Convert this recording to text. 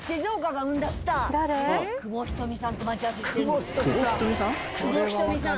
久保ひとみさん？